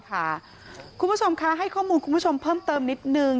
คุณผู้ชมคะให้ข้อมูลคุณผู้ชมเพิ่มเติมนิดนึง